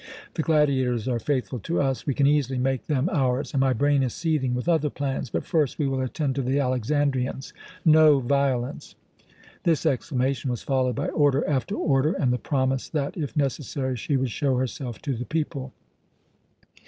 The gladiators are faithful to us. We can easily make them ours, and my brain is seething with other plans. But first we will attend to the Alexandrians. No violence!" This exclamation was followed by order after order, and the promise that, if necessary, she would show herself to the people.